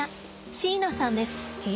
椎名さんです。